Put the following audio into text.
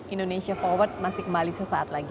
indonesia forward masih kembali sesaat lagi